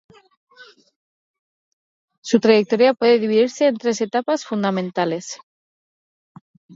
Su trayectoria puede dividirse en tres etapas fundamentales.